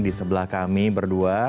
di sebelah kami berdua